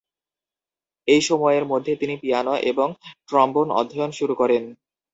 এই সময়ের মধ্যে তিনি পিয়ানো এবং ট্রম্বন অধ্যয়ন শুরু করেন।